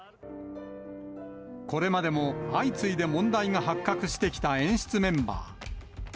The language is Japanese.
これまでも相次いで問題が発覚してきた演出メンバー。